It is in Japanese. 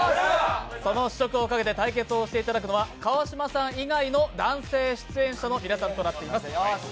その試食をかけて対決をしていただくのは川島さん以外の男性出演者となっています。